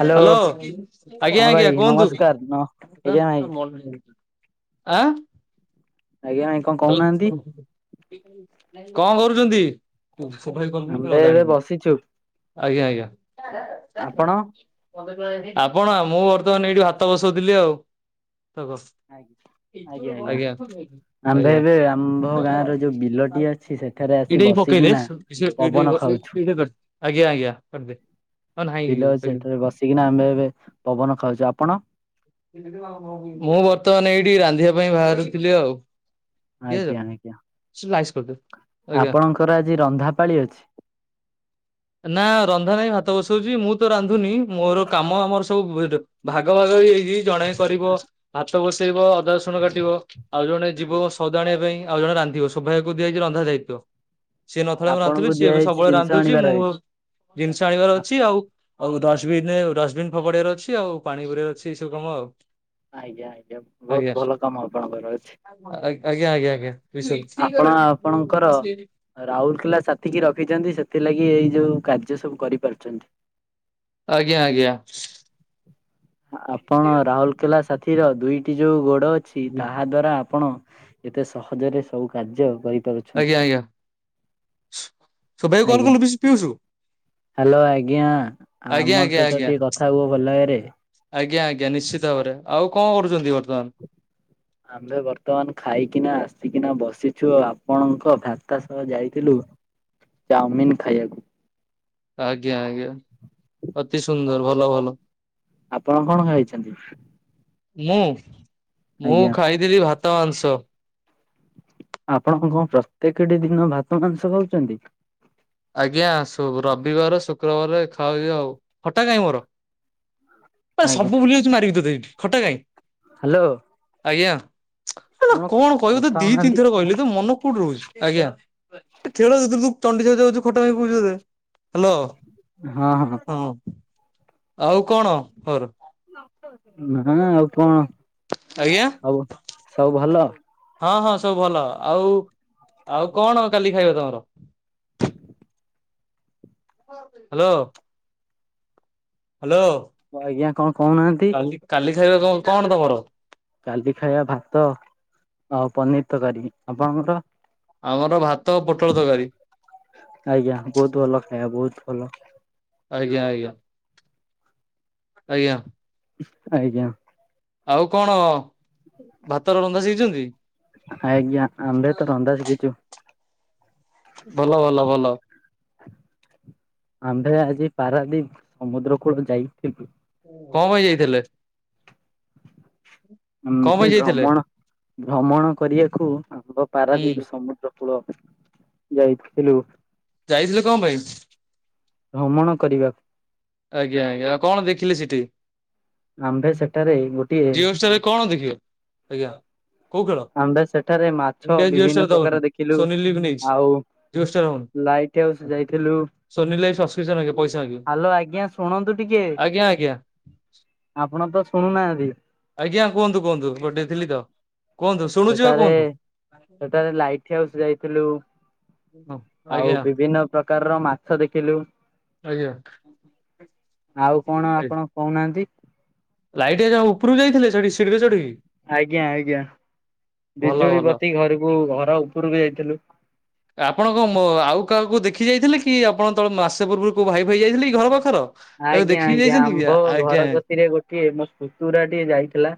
Hello hello ହଁ ଆଜ୍ଞା ଆଜ୍ଞା ଭାଇ କୁହନ୍ତୁ। ନମସ୍କାର ନ ଆଜ୍ଞା ଭାଇ ଆଁ। ଆଜ୍ଞା। କଣ କହୁନାହାନ୍ତି? କଣ କରୁଛନ୍ତି? ଆଜ୍ଞା ଆମ୍ଭେ ଏବେ ଆଜ୍ଞା। ବସିଛୁ ଆପଣ ମୁଁ ଆପଣ? ବର୍ତ୍ତମାନ ଏଇଠି ଭାତ ବସଉଥିଲି ଆଉ। ଆଜ୍ଞା। ଆମ୍ଭ ଆଜ୍ଞା। ଏବେ ଆମ୍ଭ ଗାଁ ର ଯୋଉ ବିଲଟି ଅଛି ସେଠାରେ ଆସି ଏଇଟା ବି ପକେଇଦେ ବସିକିନା। ପବନ ଖାଉଛୁ ଆଜ୍ଞା ଆଜ୍ଞା। ବସି କିନା ଆମ୍ଭେ ଏବେ ପବନ ଖାଉଛୁ ଆପଣ। ମୁଁ ବର୍ତ୍ତମାନ ଏଇଠି ରାନ୍ଧିବା ପାଇଁ ଭାରୁଥିଲି ଆଉ। ପିଆଜ ଆଜ୍ଞା ଆଜ୍ଞା ଲାଇସ୍ କରିଦେ ଆଜ୍ଞା ଆପଣଙ୍କର ଆଜି ରନ୍ଧାପାଳି ଅଛି। ନା ରନ୍ଧା ନାହିଁ ଭାତ ବସଉଛି ମୁଁ ତ ରାନ୍ଧୁନି ମୋର କାମ ଆମର ସବୁ ଭ ଭାଗ ଭାଗ ହେଇଜାଇ ଛି ଜଣେ କରିବ ଭାତ ବସେଇବ ଅଦା ରସୁଣ କାଟିବ ଆଉ ଜଣେ ଯିବ ସଉଦା ଆଣିବା ପାଇଁ। ଆଉ ଜଣେ ରାନ୍ଧିବ ସୋଭାଗ୍ୟ କୁ ଦିଆ ଯାଇଛି ରନ୍ଧା ଦାୟିତ୍ଵ। ସିଏ ନଥିଲା ମୁଁ ଆପଣଙ୍କୁ ରାନ୍ଧଥିଲି ସିଏ ଏବେ ଦିଆଯାଇଛି ସବୁବେଳେ ଜିନିଷ ରାନ୍ଧୁଛି ଆଣିବାର ମୁଁ। ଜିନିଷ ଆଣିବାର ଅଛି ଆଉ ଆଉ ଡଷ୍ ବିନେ ଡଷ୍ ବିନ୍ ଫୋପାଡ଼ି ବାର ଅଛି ଆଉ ପାଣି ଭରିବାର ଅଛି। ଏଇ ସବୁ କାମ ଆଉ। ଆଜ୍ଞା ଆଜ୍ଞା ବହୁତ ଆଜ୍ଞା ଭଲ କାମ ଆପଣଙ୍କର ଅଛି। ଆଜ୍ଞା ଆଜ୍ଞା ଆଜ୍ଞା। [unintelligible] ରାହୁଲ କେଲା ସାଥୀ କି ରଖିଛନ୍ତି ସେଥିଲାଗି ଏଇ ଯୋଉ କାର୍ଯ୍ୟ ସବୁ କରିପାରୁଛନ୍ତି। ଆଜ୍ଞା ଆଜ୍ଞା। ଆପ [inaudible] ରାହୁଲ କେଲା ସାଥିର ଦୁଇଟି ଯୋଉ ଗୋଡ ଅଛି ତାହା ଦ୍ଵାରା ଆପଣ ଏତେ ସହଜରେ ସବୁ କାର୍ଯ୍ୟ କରିପାରୁ ଆଜ୍ଞା ଆଜ୍ଞା। ହାଲୋ ଆଜ୍ଞା ଆମ ଆଜ୍ଞା ସହିତ ଆଜ୍ଞା। ଟିକେ କଥା ହୁବ ଭଲ ଭାବରେ। ଆଜ୍ଞା ଆଜ୍ଞା ନିଶ୍ଚିତ ଭାବରେ ଆଉ କଣ କରୁଛନ୍ତି ବର୍ତ୍ତମାନ। ଆମ୍ଭେ ବର୍ତ୍ତମାନ ଖାଇକିନା ଆସିକିନା ବସିଛୁ ଆପଣଙ୍କ ଭ୍ରାତା ସହ ଯାଇଥିଲୁ। ଚାଉମିିନ ଖାଇଆକୁ। ଆଜ୍ଞା ଆଜ୍ଞା ଅତି ସୁନ୍ଦର ଭଲ ଭଲ। ଆପଣ କଣ ଖାଇଚନ୍ତି? ମୁଁ ମୁଁ ଆଜ୍ଞା ଖାଇଥିଲି ଭାତ ମାଂସ। ଆପଣ କଣ ପ୍ରତ୍ୟେକେଟି ଦିନ ଭାତ ମାଂସ ଖାଉଚନ୍ତି? ଆଜ୍ଞା ଶ ରବିବାର ଶୁକ୍ରବାରରେ ଖାଉଚି ଆଉ ଖଟା କାଇଁ ମୋର। ଏସବୁ ଆଜ୍ଞା ଭୁଲିଯାଉଚୁ ମାରିବି ତତେ ଏଠି ଖଟା କାଇଁ। ହାଲୋ। ଆଜ୍ଞା ଏରା କଣ କହିବି ତତେ କଥା ଦି ହଉନାହାନ୍ତି ତିନିଥର କହିଲି ତୋ ମନ କୋଉଠି ରହୁଚି? ଆଜ୍ଞା [unintelligible] ହାଲୋ ହଁ ଆଉ କଣ ହୋର ନା ଆଉ କଣ ଆଜ୍ଞା ସବୁ ସବୁ ଭଲ? ହଁ ହଁ ସବୁ ଭଲ ଆଉ ଆଉ କଣ କାଲି ଖାଇବା ତମର? [unintelligible] ହାଲୋ। ହାଲୋ। ହ ଆଜ୍ଞା କଣ କହୁନାହାନ୍ତି? ପୁରି କାଲି ଖାଇବା କ କଣ ତମର? କାଲି ଖାଇବା ଭାତ ଆଉ ପନିର୍ ତରକାରୀ ଆପଣଙ୍କର? ଆମର ଭାତ ପୁଟଳ ତରକାରୀ। ଆଜ୍ଞା ବହୁତ୍ ଭଲ ଖାଇବା ବହୁତ୍ ଭଲ। ଆଜ୍ଞା ଆଜ୍ଞା ଆଜ୍ଞା। ଆଜ୍ଞା। ଆଉ କଣ ଭାତର ରନ୍ଧା ଶିଖିଚନ୍ତି? ଆ ଆଜ୍ଞା ଆମ୍ଭେତ ରନ୍ଧା ଶିଖିଚୁ। ଭଲ ଭଲ ଭଲ। ଆମ୍ଭେ ଆଜି ପାରାଦୀପ ସମୁଦ୍ର କୂଳ ଯାଇଥିଲୁ। କଣ ପାଇଁ ଯାଇଥିଲେ? କଣ ଆମ୍ଭେ ପାଇଁ ଯାଇଥିଲେ ଭ୍ରମଣ ଭ୍ରମଣ କରିବାକୁ ଆମ୍ଭ ହୁଁ ପାରାଦ୍ୱୀପ ସମୁଦ୍ର କୂଳ ଯାଇଥିଲୁ। ଯାଇଥିଲେ କଣ ପାଇଁ? ଭ୍ରମଣ କରିବାକୁ। ଆଜ୍ଞା ଆଜ୍ଞା ଆ କଣ ଦେଖିଲି ସେଠି? ଆମ୍ଭେ ସେଠାରେ ଗୋଟଏ ଜିଓହୋଟଷ୍ଟର କଣ ଦେଖିବ ଆଜ୍ଞା। କୋଉ ଖେଳ ଆମ୍ଭେ ସେଠାରେ ମାଛ ଇଣ୍ଡିଆ ଜିଓ ବିଭିନ୍ନ ଷ୍ଟାର ଦବନି ପ୍ରକାର ଦେଖିଲୁ ସୋନି ଲିଭ୍ ନେଇଛି ଆଉ ଜିଓ ଷ୍ଟାର ହବନି ଲାଇଟ୍ ହାଉସ୍ ଯାଇଥିଲୁ ସୋନି ଲାଇଭ୍ ସବସ୍କ୍ରିପସନ ମାଗିବ ପଇସା ମାଗିବ ହାଲୋ ଆଜ୍ଞା ଶୁଣନ୍ତୁ ଟିକେ ଆଜ୍ଞା ଆଜ୍ଞା ଆପଣ ତ ଶୁଣୁନାହାନ୍ତି। ଆଜ୍ଞା କୁହନ୍ତୁ କୁହନ୍ତୁ ଏପଟେ ଥିଲି ତ। କୁହନ୍ତୁ ଶୁଣୁଛି ବା ସେଠାରେ କୁହନ୍ତୁ ସେଠାରେ ଲାଇଟ୍ ହାଉସ୍ ଯାଇଥିଲୁ। ଆଉ ଆଜ୍ଞା ବିଭିନ୍ନ ପ୍ରକାରର ମାଛ ଦେଖିଲୁ। ଆଜ୍ଞା ଆଉ କଣ ଆପଣ କହୁନାହାନ୍ତି? ଲାଇଟ୍ ଏଯୋଉ ଉପରକୁ ଯାଇଥିଲେ ସେଢି ସିଢ଼ିରେ ଚଢିକି? ଆଜ୍ଞା ଆଜ୍ଞା ଭଲ ବିଜୁଳି ଭଲ ବତି ଘରକୁ ଘର ଉପରକୁ ଯାଇଥିଲୁ। ଆପଣ କଣ ମୋ ଆଉ କାହାକୁ ଦେଖି ଯାଇଥିଲେ କି ଆପଣ ତଳେ ମାସେ ପୂର୍ବରୁ କୋଉ ଭାଇ ଫାଇ ଯାଇଥିଲେକି ଘର ପାଖର? ତାକୁ ଆଜ୍ଞା ଦେଖିକି ଆଜ୍ଞା ଯାଇଛନ୍ତି କି ଆମ୍ଭ ଆଜ୍ଞା ଘର କତିରେ ଗୋଟିଏ ମୋ ପୁତୁରା ଟିକେ ଯାଇଥିଲା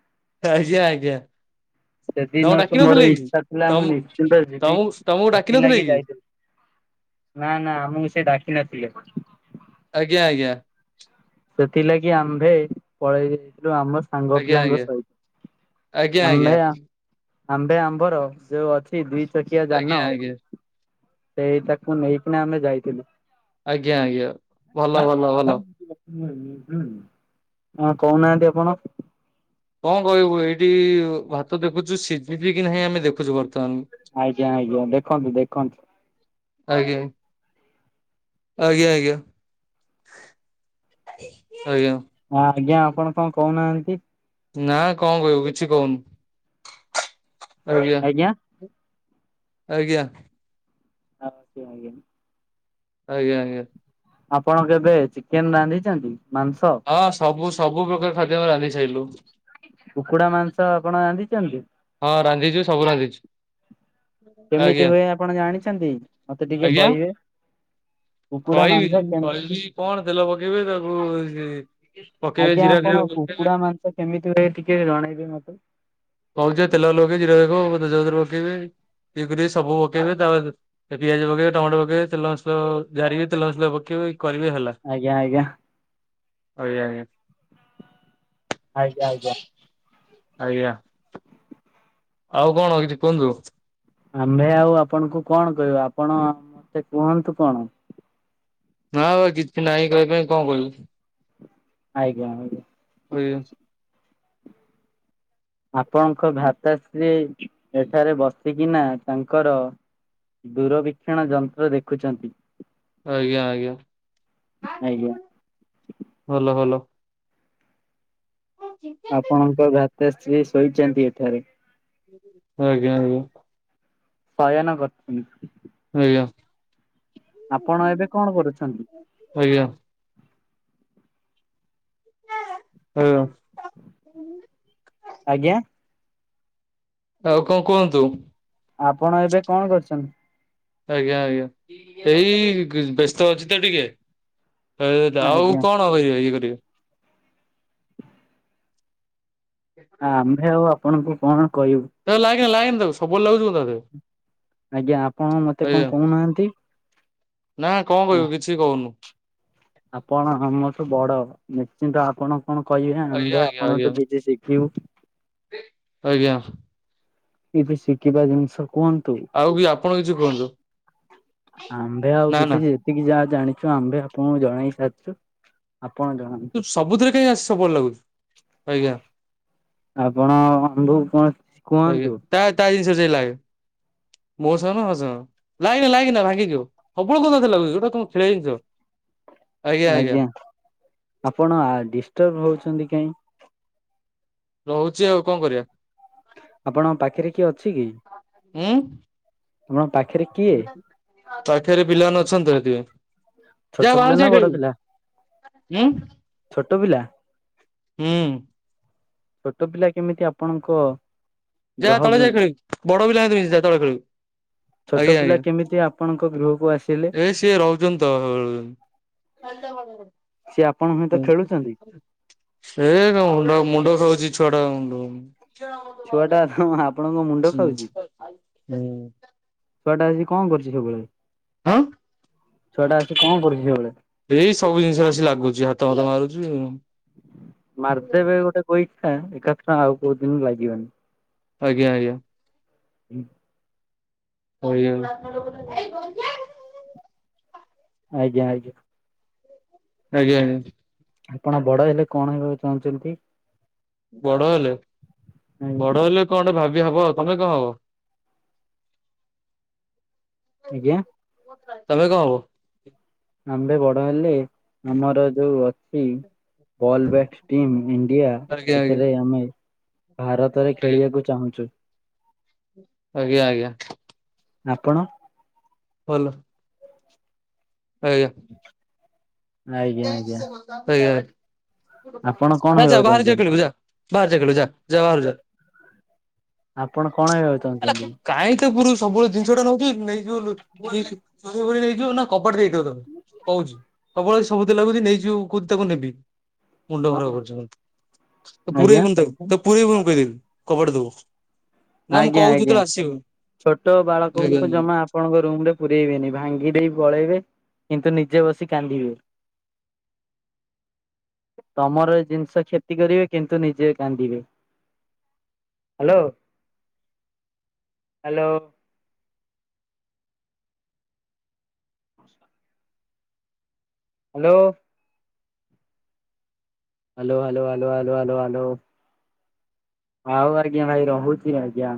ଆଜ୍ଞା ଆଜ୍ଞା। ତମକୁ ଡାକି ସେଦିନଠୁ ମୋର ନଥିଲେ କି? ଇଚ୍ଛା ଥିଲା ତମ ମୁଁ ନିଶ୍ଚିନ୍ତ ଯିବି ତମକୁ ତମକୁ ଡାକି ନଥିଲେ ସେଥିଲାଗି କି? ଯାଇଥିଲି। ନା ନା ଆମକୁ ସେ ଡାକିିନଥିଲେ। ଆଜ୍ଞା ଆଜ୍ଞା। ସେଥିଲାଗି ଆମ୍ଭେ ପଳେଇ ଯାଇଥିଲୁ ଆମର ସାଙ୍ଗ ଆଜ୍ଞା ପିଲାଙ୍କ ସହିତ ଆଜ୍ଞା ଆଜ୍ଞା ଆଜ୍ଞା। ଆମ୍ଭେ ଆମ୍ଭେ ଆମ୍ବର ଯୋଉ ଅଛି ଦି ଚକିଆ ଆଜ୍ଞା ଯାନ ଆଜ୍ଞା ସେଇ ତାକୁ ନେଇକିନା ଆମେ ଯାଇଥିଲୁ। ଆଜ୍ଞା ଆଜ୍ଞା ଭଲ ଭଲ ଭଲ। ହଁ କୋହୁନାହାନ୍ତି ଆପଣ। କଣ କହିବୁ ଏଇଠି ଭାତ ଦେଖୁଚୁ ସିଝିଚି କି ନାହିଁ ଆମେ ଦେଖୁଚୁ ବର୍ତ୍ତମାନ। ଆଜ୍ଞା ଆଜ୍ଞା ଦେଖନ୍ତୁ ଦେଖନ୍ତୁ। ଆଜ୍ଞା ଆଜ୍ଞା ଆଜ୍ଞା। ଆଜ୍ଞା। ହଁ ଆଜ୍ଞା ଆପଣ କଣ କହୁନାହାନ୍ତି। ନା କଣ କହିବୁ କିଛି କୋହୁନି ଆଜ୍ଞା। ଆଜ୍ଞା? ଆଜ୍ଞା? ହଁ ସିଏ ମାଗିକି ଆଣନି। ଆଜ୍ଞା ଆଜ୍ଞା। ଆପଣ କେବେ ଚିକେନ ରାନ୍ଧିଛନ୍ତି ମାଂସ ହଁ ସବୁ ସବୁ ପ୍ରକାର ଖାଦ୍ୟ ଆମେ ରାନ୍ଧି ସାଇଲୁ। କୁକୁଡା ମାଂସ ଆପଣ ରାନ୍ଧଚନ୍ତି? ହଁ ରାନ୍ଧିଚୁ ସବୁ ରାନ୍ଧିଛୁ କେମିତି ଆଜ୍ଞା। ହୁଏ ଆପଣ ଜାଣିଛନ୍ତି ମତେ ଟିକେ ଆଜ୍ଞା କହିବେ। କୁକୁଡା କହିବି ମାଂସ କେମ କହିବି କଣ ତେଲ ପକେଇବି ତାକୁ ସେ ପକେଇବେ ଆଜ୍ଞା ଜିରା ଆପଣ [unintelligible] ପୋକେଇବେ। କୁକୁଡା ମାଂସ କେମିତି ହୁଏ ଟିକେ ଜଣେଇବେ ମତେ। ହଁ ଯେ ତେଲ ଲଗେଇକି ରହିବ ତେଜପତ୍ର ପକେଇବେ ଇଏ କରିବେ ସବୁ ପକେଇବେ ତାପରେ ତା ପିଆଜ ପକେଇବେ ଟମାଟୋ ପକେଇବେ ତେଲ ମସଲା ଜାରିବେ ତେଲ ମସଲା ପକେଇବେ କରିବେ ହେଲା। ଆଜ୍ଞା ଆଜ୍ଞା। ଆଜ୍ଞା ଆଜ୍ଞା। ଆଜ୍ଞା ଆଜ୍ଞା। ଆଜ୍ଞା। ଆଉ କଣ କିଛି କୁହନ୍ତୁ? ଆମେ ଆଉ ଆପଣଙ୍କୁ କଣ କହିବା ଆପଣ ମତେ କୁହନ୍ତୁ କଣ? ନା ଆଉ ପା କିଛି ନାହିଁ କହିବା ପାଇଁ କଣ କହିବୁ। ଆଜ୍ଞା ଆଜ୍ଞା। ଓ ଏ ଅଛି। ଆପଣଙ୍କ ଭ୍ରାତାଶ୍ରୀ ଏଠାରେ ବସିକିନା ତାଙ୍କର ଦୂରବୀକ୍ଷଣ ଯନ୍ତ୍ର ଦେଖୁଛନ୍ତି। ଆଜ୍ଞା ଆଜ୍ଞା ଆଜ୍ଞା। ଭଲ ଭଲ। ହୁଛିିତ ଆପଣଙ୍କ ଭ୍ରାତାଶ୍ରୀ ଶୋଇଚନ୍ତି ଏଠାରେ। ହଁ ଆଜ୍ଞା [unintelligible] ଶୟାନ କରଛନ୍ତି। ଆଜ୍ଞା। ଆପଣ ଏବେ କଣ କରୁଛନ୍ତି। ଓୟା। ଓ ୟ ଆଜ୍ଞା? ଆଉ କଣ କୁହନ୍ତୁ। ଆପଣ ଏବେ କଣ କରୁଛନ୍ତି। ଆଜ୍ଞା ଆଜ୍ଞା ଏଇ ଗି ବ୍ୟସ୍ତ ଅଛି ତ ଟିକେ। ଏ ଯାହୋଉ ଆଜ୍ଞା କଣ କରିବେ ଇଏ କରିବେ। ଆମ୍ଭେ ଆଉ ଆପଣଙ୍କୁ କଣ କହିବୁ। ତାକୁ ଲାଗେନା ଲାଗେନା ତାକୁ ସବୁ ବେଲେ ଲାଗୁଚୁ ତା ଦେହେ। ଆଜ୍ଞା ଆପଣ ମତେ କଣ କୋହୁନାହାନ୍ତି। ନା କଣ କହିବୁ କିଛି କହୁନୁ। ଆପଣ ଆମଠୁ ବଡ ନିଶ୍ଚିନ୍ତ ଆପଣ କଣ କହିବେ ଆଜ୍ଞା ଆମ୍ଭେ ଆଜ୍ଞା ଆଜ୍ଞା ଆପଣଠୁ କିଛି ସି କିବୁ ଆଜ୍ଞା। କିଛି ଶିଖିବା ଜିନିଷ କୁହ ତି ଆଉ ବି ଆପଣ କିଛି କୁହନ୍ତୁ ଆମ୍ଭେ ଆଉ ନା ନା କିଛି ଯି ଯେତିକି ଯାହା ଜାଣିଚୁ ଆମ୍ଭେ ଆପଣଙ୍କୁ ଜଣେଇ ସାରିଚୁ। ଆପଣ ଜଣା ତୁ ସବୁଥିରେ କାଇଁ ଆସି ସବୁଆଡେ ଲାଗୁଛୁ ଆଜ୍ଞା। ଆପଣ [unintelligible] ଆଜ୍ଞା ତା ତା ଜିନିଷ ରେ ଯାଇକି ଲାଗେ ମୋସହ [unintelligible] ଲାଗେନା ଲାଗେନା ଭାଙ୍ଗିଯିବ ସବୁ ବେଳେ କଣ ତା ଦେହରେ ଲାଗୁଚୁ ଏଇଟା କଣ ଖେଲିବା ଜିନିଷ? ଆଜ୍ଞା ଆପଣ ଆ ଡିଷ୍ଟର୍ବ ହଉଚନ୍ତି କାଇଁ? ରହୁଚି ଆଉ କଣ କରିବା? ଆପଣଙ୍କ ପାଖେରେ କିଏ ଅଛି କି? ଉଁ ଆପଣଙ୍କ ପାଖେରେ [unintelligible] ପିଲାମାନେ ଅଛନ୍ତି ହେଟି। ଛୋଟ ଯା ପିଲା ବାହାର ନା ଯା ବଡ ପିଲା? ଖେଳିବୁ ଉଁ ଛୋଟ ପିଲା। ହୁଁ। ଛୋଟ ପିଲା କେମିତି ଆପଣଙ୍କ ଯା ଗ୍ରହ ତଳେ ଯାଇ ଖେଳିବୁ ବଡ ପିଲା ଙ୍କ ସହିତ ମିଶି ଯାହା ତଳେ ଖେଳିବୁ। ଛୋଟ ଆଜ୍ଞା ପିଲା ଆଜ୍ଞା କେମିତି ଆପଣଙ୍କ ଗୃହକୁ ଆସିଲେ ଏ ସିଏ ରହୁଚନ୍ତି ତ [unintelligible] ସିଏ ଆପଣ ହୁଁ। ସେ ମୁଣ୍ଡ ମୁଣ୍ଡ ଖାଉଚି ଛୁଆ ଟା ମୁଣ୍ଡ ଛୁଆ ଟା ତମ ଆପଣଙ୍କ ମୁଣ୍ଡ ହୁଁ ଖାଉଚି। ଛୁଆଟା ଆସିକି କଣ କରୁଚି ସବୁବେଳେ? ହାଁ। ଛୁଆଟା ଆସିକି କଣ କରୁଚି ସେବୁବେଳେ? ଏଇ ସବୁ ଜିନିଷ ଆସି ଲାଗୁଚି ହାତ ଫାତ ମାରୁଚି। ମାରିଦେବେ ଗୋଟେ ଗେଇଠା ଏକାଥରେ ଆଉ କୋଉ ଦିନ ଲାଗିବନି। ଆଜ୍ଞା ଆଜ୍ଞା। ହୁଁ। [inaudible] ଆଜ୍ଞା ଆଜ୍ଞା। ଆଜ୍ଞା। ଆପଣ ବଡ ହେଲେ କଣ ହେବାକୁ ଚାହୁଁଚନ୍ତି? ବଡ ହେଲେ ବଡ ହେଲେ କଣ୍ଟେ ଭାବିଆ ହବ ତମେ କଣ ହବ? ଆଜ୍ଞା। ତମେ କଣ ହବ? ଆମ୍ଭେ ବଡ ହେଲେ ଆମର ଯୋଉ ଅଛି ବଲ୍ ବ୍ୟାଟ ଟିମ୍ ଇଣ୍ଡିଆ ଆଜ୍ଞା ଆଜ୍ଞା ସେଥିରେ ଆମେ ଭାରତରେ ଖେଳିବାକୁ ଚାହୁଁଚୁ। ଆଜ୍ଞା ଆଜ୍ଞା। ଆପଣ? ଭଲ। ଆଜ୍ଞା। ଆଜ୍ଞା ଆଜ୍ଞା ଆପଣ କଣ [unintelligible] ଭାଜା ହେବାକୁ ବାହାରେ ଜା ଚାହୁଁଛନ୍ତି? ଖେଳିବୁ ଜା। ବାହାରେ ଯା ଖେଲିବୁ ଯା ଯା ବାହାରୁକୁ ଯା। ଆପଣ କଣ ହେଇବାକୁ ଚାହୁଁଚନ୍ତି? କାହିଁ ତା ଉପୁରୁ ସବୁବେଳେ ଜିନିଷଟା ନଉଚି ନେଇଯିବ [unintelligible] ନଇଯିବ ନା। କବାଟ ଦେଇଦିଅ ତାକୁ କହୁଚି ସବୁବେଳେ ସବୁତିରେ ଲାଗୁଚି ନେଇଯିବ କଉତି ତାକୁ ନେବି। ମୁଣ୍ଡ ଖରାପ କରୁଛି। ଆଜ୍ଞା ପୁରେଇବୁନି ତାକୁ ପୁରେଇବୁନି କହିଦେଲି କବାଟେ ଦବୁ। ନା ମୁଁ ଆଜ୍ଞା କହୁଛି ଆଜ୍ଞା ଯେତେବେଳେ ଛୋଟ ବାଳକଙ୍କୁ ଆସିବୁ। ଜମା ଆପଣଙ୍କ ରୁମ୍ ରେ ପୁରେଇବେନି ଭାଙ୍ଗି ଦେଇ ପଳେଇବେ କିନ୍ତୁ ନିଜେ ବସି କାନ୍ଦିବେ। ତମର ଜିନିଷ କ୍ଷତି କରିବେ କିନ୍ତୁ ନିଜେ କାନ୍ଦିବେ। Hello. Hello. Hello. Hello hello hello hello hello hello. ଆଉ ଆଜ୍ଞା ଭାଇ ରହୁଛି ଆଜ୍ଞା।